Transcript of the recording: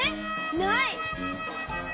ない！